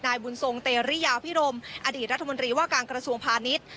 บุญทรงเตรียพิรมอดีตรัฐมนตรีว่าการกระทรวงพาณิชย์